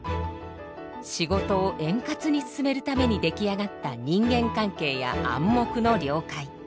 仕事を円滑に進めるために出来上がった人間関係や暗黙の了解。